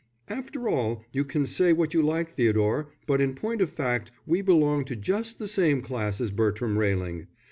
"After all, you can say what you like, Theodore, but in point of fact we belong to just the same class as Bertram Railing.